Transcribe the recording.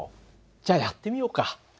じゃあやってみようか。